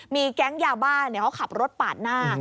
มีแก๊งยาบ้านเขาขับรถปาดหน้า